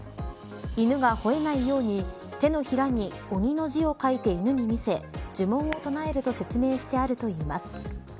犬が吠えないように手のひらに鬼の字を書いて犬に見せ呪文を唱えると説明してあるといいます。